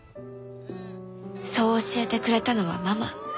そう教えてくれたのはママ。